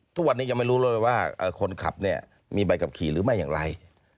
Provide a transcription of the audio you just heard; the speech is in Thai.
ทุกวันนี้ยังไม่รู้เลยว่าคนขับเนี่ยมีใบขับขี่หรือไม่อย่างไร